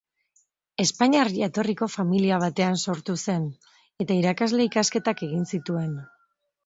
Espainiar jatorriko familia batean sortu zen, eta irakasle-ikasketak egin zituen.